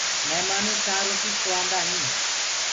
مِهمآنو چآنه روٽيٚ کُوآندآ هينٚ